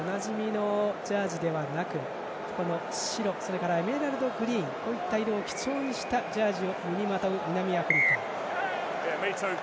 今日はおなじみのジャージではなく白、それからエメラルドグリーンこういった色を基調にしたジャージを身にまとう南アフリカ。